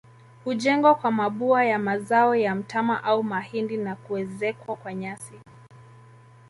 Hujengwa kwa mabua ya mazao ya mtama au mahindi na kuezekwa kwa nyasi